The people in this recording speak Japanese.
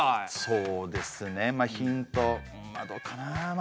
そうですねまっヒントどうかなまあ。